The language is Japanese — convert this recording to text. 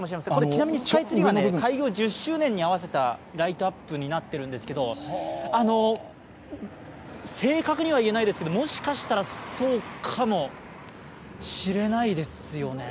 ちなみにスカイツリーは開業１０周年に合わせたライトアップになっているんですけど、正確には言えないですけど、もしかしたらそうかもしれないですよね。